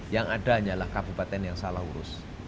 yang ada hanyalah kabupaten yang salah urus